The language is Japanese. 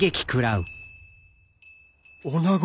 女子。